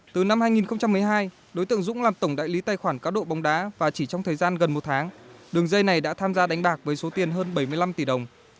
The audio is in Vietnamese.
từ năm hai nghìn một mươi hai đối tượng dũng làm tổng đại lý tài khoản cáo độ bóng đá và chỉ trong thời gian gần một tháng đường dây này đã tham gia đánh bạc với số tiền hơn bảy mươi năm tỷ đồng